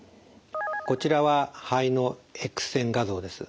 こちらは肺のＸ線画像です。